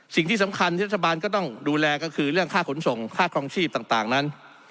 สิ่งที่สำคัญที่รัฐบาลก็ต้องดูแลก็คือเรื่องค่าขนส่งค่าครองชีพต่างนั้น